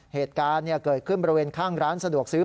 เหตุการณ์เกิดขึ้นบริเวณข้างร้านสะดวกซื้อ